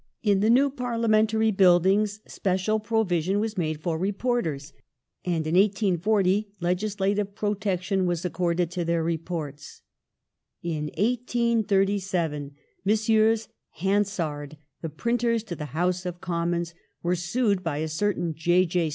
In the new parliamentary buildings special provision was made for reporters, and in 1840 legislative protection was accorded to their reports. In 1837 Messrs. Hansard, the printers to the House of Commons, were sued by a certain J. J.